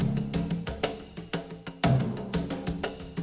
อดิติแหล่งทั้งเมืองฝี